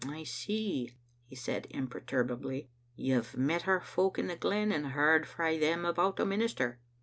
•* I see," he said imper turbably, "you've met our folk in the glen and heard frae them about the minister."